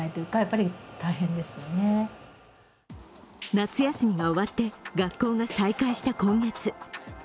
夏休みが終わって学校が再開した今月。